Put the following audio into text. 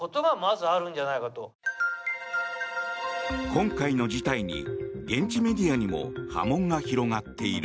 今回の事態に現地メディアにも波紋が広がっている。